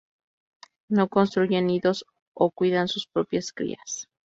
No construyen nidos o cuidan sus propias crías.